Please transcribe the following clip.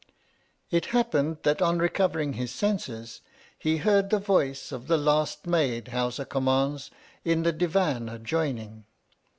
It happened that on recovering his senses he heard the voice of the last made Howsa Kummauus, in the Divan adjoining.